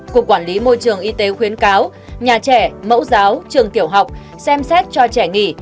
cục quản lý môi trường y tế khuyến cáo nhà trẻ mẫu giáo trường tiểu học xem xét cho trẻ nghỉ